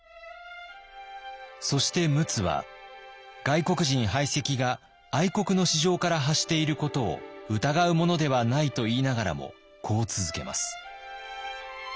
そして陸奥は「外国人排斥が愛国の至情から発していることを疑うものではない」と言いながらもこう続けます。